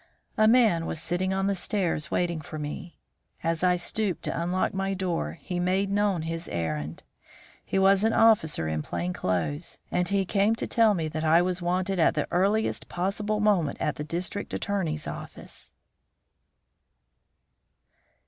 A man was sitting on the stairs waiting for me. As I stooped to unlock my door, he made known his errand. He was an officer in plain clothes, and he came to tell me that I was wanted at the earliest possible moment at the District Attorney's office.